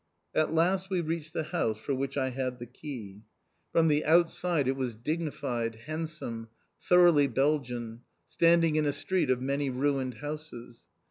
At last we reached the house for which I had the key. From the outside it was dignified, handsome, thoroughly Belgian, standing in a street of many ruined houses.